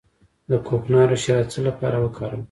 د کوکنارو شیره د څه لپاره وکاروم؟